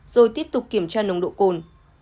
rồi tiếp tục kiểm tra nồng độ cồn